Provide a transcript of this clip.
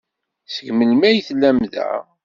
Seg melmi ay tellam da?